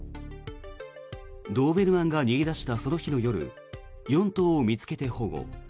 ドーベルマンが逃げ出したその日の夜４頭を見つけて保護。